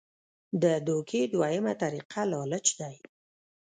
د دوکې دویمه طريقه لالچ دے -